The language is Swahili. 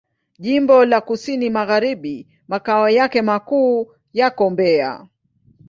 Jimbo la Kusini Magharibi Makao yake makuu yako Mbeya.